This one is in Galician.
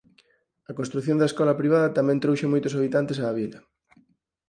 A construción da escola privada tamén trouxo moitos habitantes á vila.